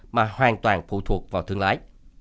mà hoàn toàn phụ thuộc vào thương lái